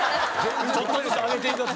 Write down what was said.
ちょっとずつ上げていくやつ。